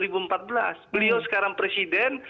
beliau sekarang presiden